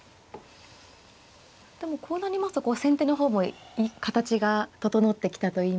でもこうなりますと先手の方も形が整ってきたといいますか。